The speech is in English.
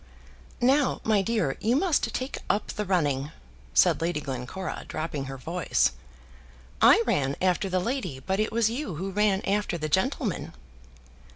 "Now, my dear, you must take up the running," said Lady Glencora, dropping her voice. "I ran after the lady, but it was you who ran after the gentleman."